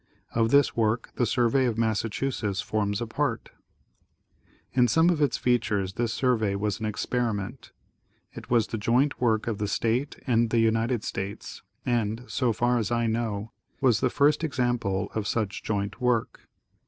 Of this work the survey of Massachusetts forms a part. In some of its features this survey was an experiment. It was the joint work of the State and the United States, and, so far as I know, was the first example of such joint work.